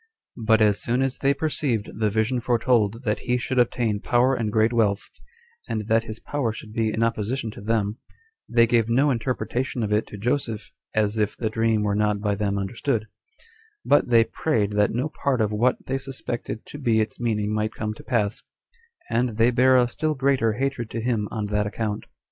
But as soon as they perceived the vision foretold that he should obtain power and great wealth, and that his power should be in opposition to them, they gave no interpretation of it to Joseph, as if the dream were not by them understood: but they prayed that no part of what they suspected to be its meaning might come to pass; and they bare a still greater hatred to him on that account.